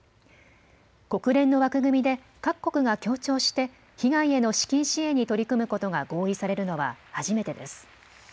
国連の枠組みで各国が協調して被害への資金支援に取り組むことが合意されるのは初めてです。